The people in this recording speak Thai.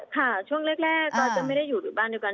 ค่ะช่วงแรกก็จะไม่ได้อยู่หรือบ้านเดียวกัน